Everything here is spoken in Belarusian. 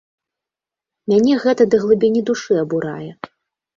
Мяне гэта да глыбіні душы абурае.